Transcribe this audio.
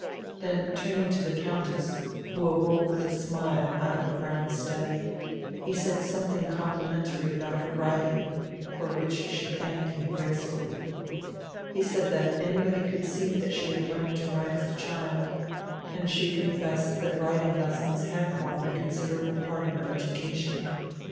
Then turning to the Countess, who awoke with a smile out of a brown study, he said something complimentary about her riding, for which she thanked him gracefully. He said that anybody could see that she had learnt to ride as a child, and she confessed that riding lessons had formed a considerable part of her education.